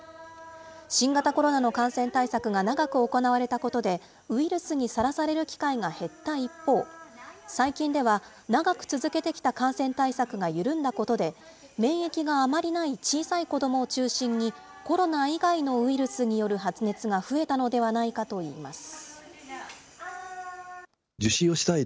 新型コロナの感染対策が長く行われたことで、ウイルスにさらされる機会が減った一方、最近では長く続けてきた感染対策が緩んだことで、免疫があまりない小さい子どもを中心に、コロナ以外のウイルスによる発熱が増えたのではないかといいます。